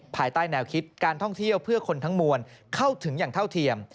ภายใต้แนวคิดการท่องเที่ยวเพื่อคนทั้งมวลเข้าถึงอย่างเท่าเทียม